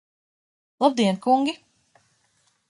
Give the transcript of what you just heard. Labdien, kungi!